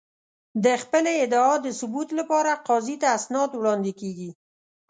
د خپلې ادعا د ثبوت لپاره قاضي ته اسناد وړاندې کېږي.